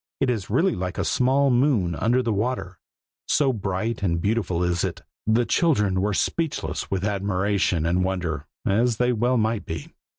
It is really like a small moon under the water, so bright and beautiful is it. The children were speechless with admiration and wonder, as they well might be.